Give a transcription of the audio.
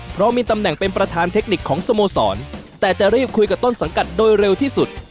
เพราะมีตำแหน่งเป็นประธานเทคนิคของสโมสรแต่จะรีบคุยกับต้นสังกัดโดยเร็วที่สุด